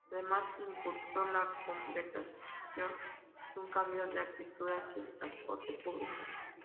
Además impulsó la conservación y un cambio de actitud hacia el transporte público.